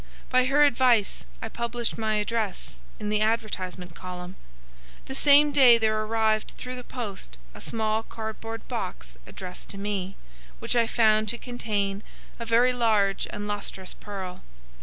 By her advice I published my address in the advertisement column. The same day there arrived through the post a small card board box addressed to me, which I found to contain a very large and lustrous pearl.